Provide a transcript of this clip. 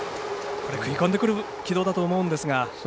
食い込んでくる軌道だと思うんですが。